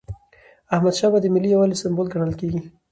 احمدشاه بابا د ملي یووالي سمبول ګڼل کېږي.